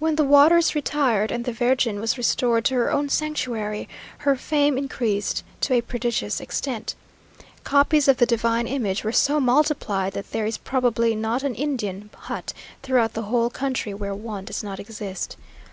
When the waters retired, and the Virgin was restored to her own sanctuary, her fame increased to a prodigious extent. Copies of the Divine Image were so multiplied, that there is probably not an Indian hut throughout the whole country where one does not exist.